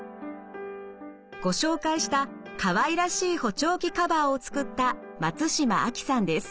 ご紹介したかわいらしい補聴器カバーを作った松島亜希さんです。